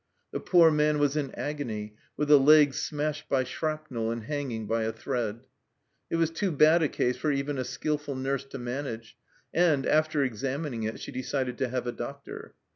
The poor man was in agony, with a leg smashed by shrapnel and hanging by a thread. It was too bad a case for even a skilful nurse to manage, and, after examining it, she decided to have a doctor.